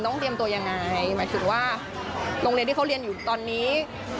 เตรียมตัวยังไงหมายถึงว่าโรงเรียนที่เขาเรียนอยู่ตอนนี้